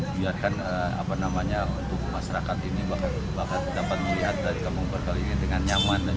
biarkan apa namanya untuk masyarakat ini bahkan dapat melihat dari kampung bergal ini dengan nyaman